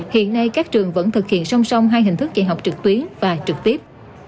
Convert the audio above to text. hiện nay các trường vẫn thực hiện song song hai hình thức dạy học trực tuyến và trực tiếp